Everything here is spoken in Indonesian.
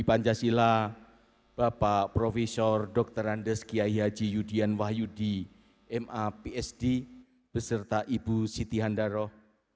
pancasila bapak profesor dokter andes kiai haji yudhian wahyudi map sd beserta ibu siti handaroh